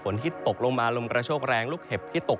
ฮิตตกลงมาลมกระโชคแรงลูกเห็บที่ตก